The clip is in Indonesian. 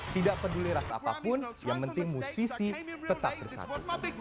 tidak peduli rasa apapun yang penting musisi tetap bersatu